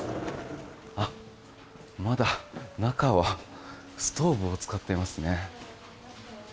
あ、まだ中はストーブを使っていますね。